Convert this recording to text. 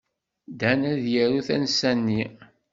Dan ad yaru tansa-nni.